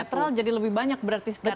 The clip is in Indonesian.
natural jadi lebih banyak berarti sekarang ya